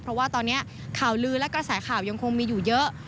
เพราะว่าตอนนี้ข่าวลือและกระแสข่าวยังคงมีอยู่เยอะ